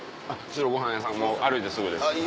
白ご飯屋さん歩いてすぐです。